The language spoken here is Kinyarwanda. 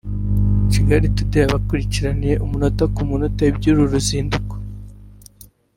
Kigali Today yabakurikiraniye umunota ku munota iby’uru ruzinduko